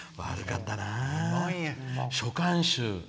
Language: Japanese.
悪かったな。